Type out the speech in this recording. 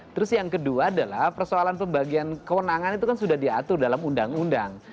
terus yang kedua adalah persoalan pembagian kewenangan itu kan sudah diatur dalam undang undang